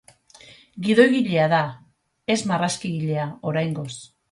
Gidoigilea da ez marrazkigilea, oraingoz.